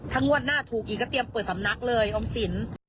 ถ้างวดหน้าถูกอีกก็เตรียมเปิดสำนักเลยออมสิน